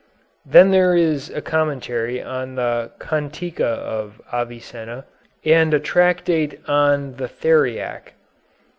Then there is a commentary on the "Cantica of Avicenna," and a tractate on the "Theriac."